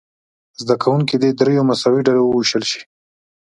زده کوونکي دې دریو مساوي ډلو وویشل شي.